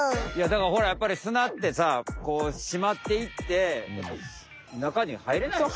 だからほらやっぱり砂ってさこうしまっていって中に入れないよ。